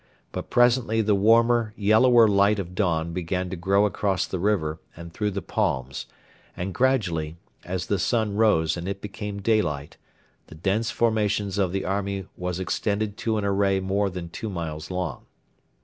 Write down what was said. But presently the warmer, yellower light of dawn began to grow across the river and through the palms, and gradually, as the sun rose and it became daylight, the dense formation of the army was extended to an array more than two miles long.